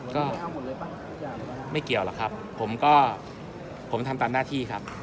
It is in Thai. ก็ไม่เกี่ยวหรอกครับผมก็ผมทำตามหน้าที่ครับ